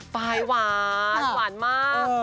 ไฟล์หวานหวานมาก